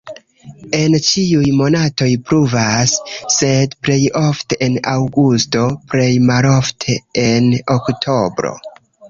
En ĉiuj monatoj pluvas, sed plej ofte en aŭgusto, plej malofte en oktobro.